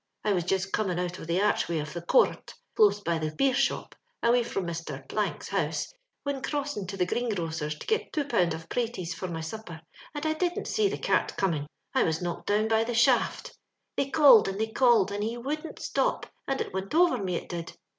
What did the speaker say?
I was just comin' out of the archway of the courrot (close by the beer shop) away firom Mr. *s house, when crossing to the green grocer's to git two pound of praties for my supper, I didn't see the cart comin'. I was knocked down by the shaft They called, and they called, and he wouldn't stop, and it wint over me, it did.